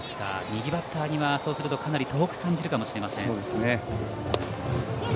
右バッターにはかなり遠く感じるかもしれません。